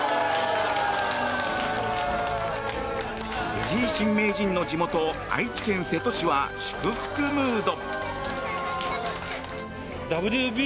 藤井新名人の地元愛知県瀬戸市は祝福ムード。